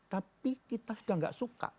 tapi kita sudah tidak suka